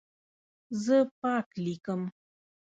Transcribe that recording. زه پاک لیکم.